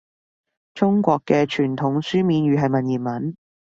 中國嘅傳統書面語係文言文